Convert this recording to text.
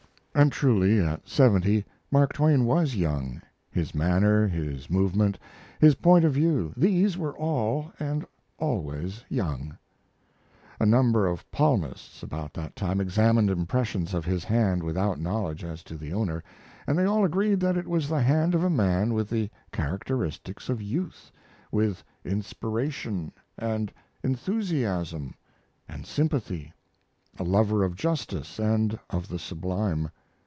And truly, at seventy, Mark Twain was young, his manner, his movement, his point of view these were all, and always, young. A number of palmists about that time examined impressions of his hand without knowledge as to the owner, and they all agreed that it was the hand of a man with the characteristics of youth, with inspiration, and enthusiasm, and sympathy a lover of justice and of the sublime.